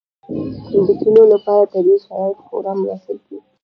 د کلیو لپاره طبیعي شرایط خورا مناسب دي.